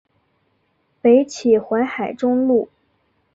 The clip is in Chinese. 北起淮海中路。